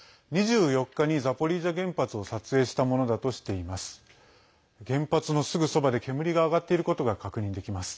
２４日にザポリージャ原発を撮影したものだとしています。